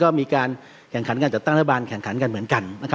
ก็มีการแข่งขันจากตั้งทบานเพิ่งแขนกันเหมือนกันนะครับ